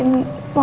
mau ngesel papa